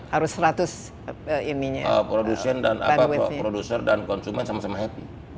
harus seratus produser dan konsumen sama sama happy